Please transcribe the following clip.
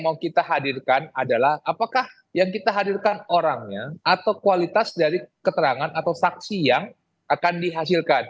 yang mau kita hadirkan adalah apakah yang kita hadirkan orangnya atau kualitas dari keterangan atau saksi yang akan dihasilkan